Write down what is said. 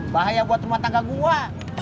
bahaya buat rumah tangga gue